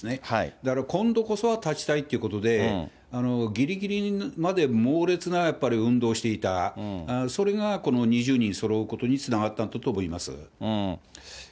だから今度こそは立ちたいということで、ぎりぎりまで猛烈な運動していた、それがこの２０人そろうことにつながったんだと思います。